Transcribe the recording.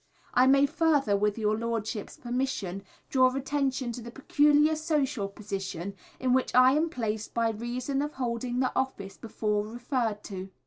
I may further, with your Lordship's permission, draw attention to the peculiar Social position in which I am placed by reason of holding the office before referred to.